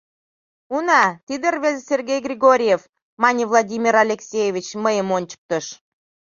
— Уна, тиде рвезе, Сергей Григорьев, — мане Владимир Алексеевич, мыйым ончыктыш.